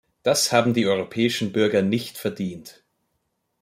Das haben die europäischen Bürger nicht verdient!